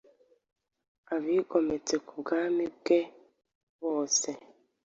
abigometse ku bwami bwe bose